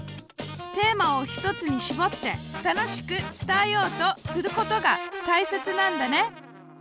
テーマを１つにしぼって楽しく伝えようとすることがたいせつなんだね。